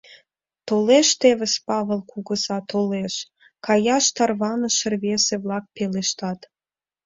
— Толеш, тевыс, Павыл кугыза толеш! — каяш тарваныше рвезе-влак пелештат.